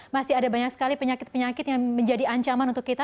masih ada banyak sekali penyakit penyakit yang menjadi ancaman untuk kita